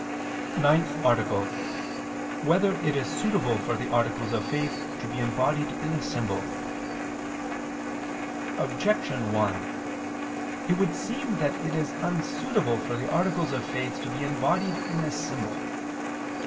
_______________________ NINTH ARTICLE [II II, Q. 1, Art. 9] Whether It Is Suitable for the Articles of Faith to Be Embodied in a Symbol? Objection 1: It would seem that it is unsuitable for the articles of faith to be embodied in a symbol.